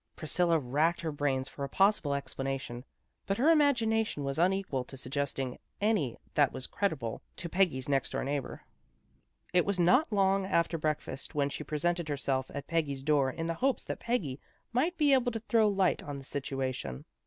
Priscilla racked her brains for a possible explanation, but her imagi nation was unequal to suggesting any that was creditable to Peggy's next door neighbor. It was not long after breakfast when she presented herself at Peggy's door hi the hopes that Peggy might be able to throw light on the situation.